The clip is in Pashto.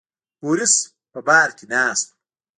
بوریس په بار کې ناست و.